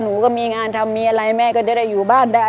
หนูก็มีงานทำมีอะไรแม่ก็จะได้อยู่บ้านได้